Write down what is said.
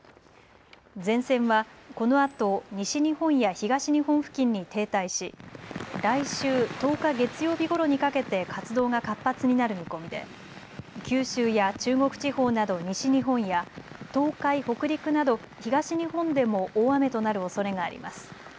前線はこのあと西日本や東日本付近に停滞し来週、１０日月曜日ごろにかけて活動が活発になる見込みで九州や中国地方など西日本や東海、北陸など東日本でも大雨となるおそれがあります。